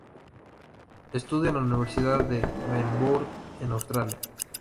Estudia en la Universidad de Melbourne en Australia.